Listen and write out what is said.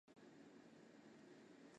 正德元年病重而亡。